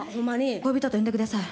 恋人と呼んでください。